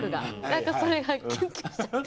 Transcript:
何かそれがキュンキュンしちゃって。